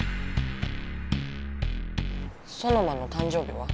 ソノマの誕生日は？